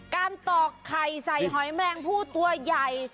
ตอกไข่ใส่หอยแมลงผู้ตัวใหญ่